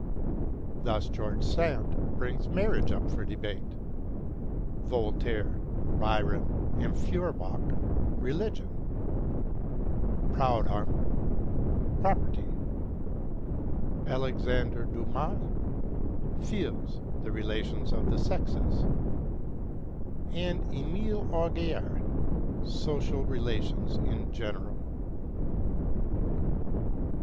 Thus George Sand brings marriage up for debate, Voltaire, Byron, and Feuerbach religion, Proudhon property, Alexander Dumas fils the relations of the sexes, and Emile Augier social relations in general.